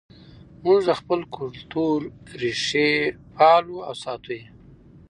موږ د خپل کلتور ریښې پالو او ساتو یې.